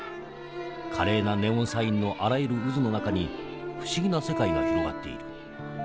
華麗なネオンサインのあらゆる渦の中に不思議な世界が広がっている。